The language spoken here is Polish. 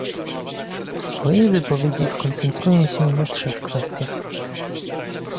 W swojej wypowiedzi skoncentruję się na trzech kwestiach